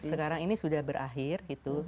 sekarang ini sudah berakhir